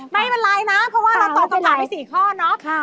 ไม่เป็นไรนะเพราะว่าเราตอบคำถามไป๔ข้อเนาะ